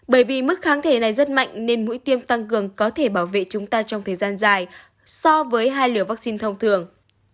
bởi vì mức kháng thể này rất mạnh nên mũi tiêm tăng cường có thể bảo vệ chúng ta trong thời gian dài so với hai liều vaccine thông thường